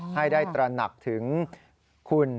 ให้ได้ตระหนักถึงคุณ